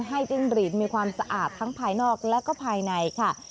จิ้งหรีดมีความสะอาดทั้งภายนอกและก็ภายในค่ะ